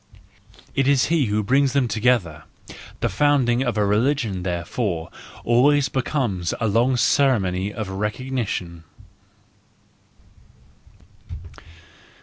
It is he who brings 296 THE JOYFUL WISDOM, V, them together: the founding of a religion, therefore, always becomes a long ceremony of recognition.